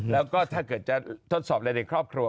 แล้วก็ถ้าเกิดจะทดสอบอะไรในครอบครัว